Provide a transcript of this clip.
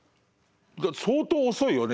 相当遅いよね